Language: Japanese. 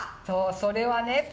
そうそれはね。